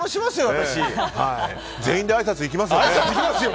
全員であいさつ行きますよ。